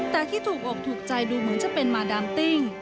แต่ที่ถูกอกถูกใจดูเหมือนจะเป็นมาดามติ้ง